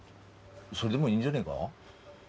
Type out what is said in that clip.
それでもいいんじゃねえが？